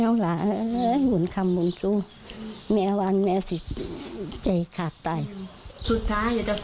แม่ไว้เข้ามามอบกลัวเถอะ